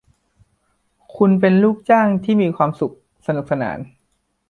คุณเป็นลูกจ้างที่มีความสุขสนุกสนาน